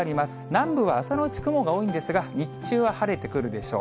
南部は、朝のうち雲が多いんですが、日中は晴れてくるでしょう。